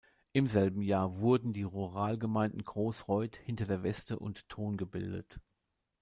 Im selben Jahr wurden die Ruralgemeinden Großreuth hinter der Veste und Thon gebildet.